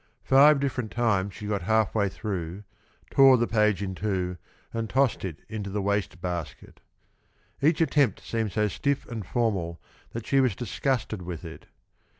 Five different times she got half way through, tore the page in two and tossed it into the waste basket. Each attempt seemed so stiff and formal that she was disgusted with it.